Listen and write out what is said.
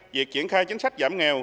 việc triển khai chính sách giảm nghèo